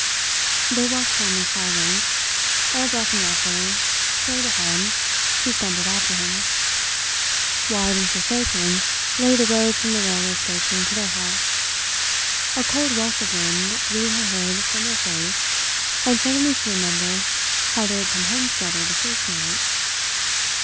They walked home in silence. Herr Brechenmacher strode ahead, she stumbled after him. White and forsaken lay the road from the railway station to their house—a cold rush of wind blew her hood from her face, and suddenly she remembered how they had come home together the first night.